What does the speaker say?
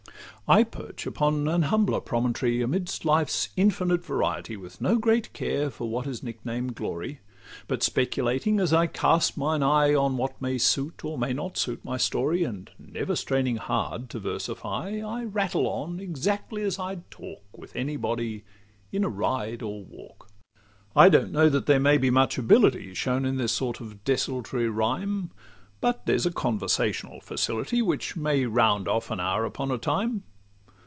I perch upon an humbler promontory, Amidst life's infinite variety: With no great care for what is nicknamed glory, But speculating as I cast mine eye On what may suit or may not suit my story, And never straining hard to versify, I rattle on exactly as I'd talk With any body in a ride or walk. I don't know that there may be much ability Shown in this sort of desultory rhyme; But there's a conversational facility, Which may round off an hour upon a time.